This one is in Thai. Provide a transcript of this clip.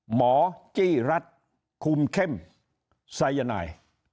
หมอจี้รัสคุมเข้มทรายยนร้าย